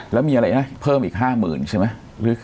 แล้วมีอะไรนะเพิ่มอีก๕๐๐๐ใช่ไหม